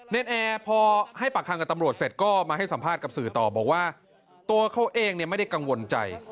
นแอร์พอให้ปากคำกับตำรวจเสร็จก็มาให้สัมภาษณ์กับสื่อต่อบอกว่าตัวเขาเองไม่ได้กังวลใจ